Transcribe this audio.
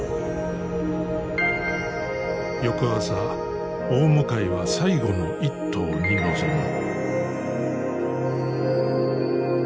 翌朝大向は最後の一頭に臨む。